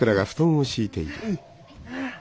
はい。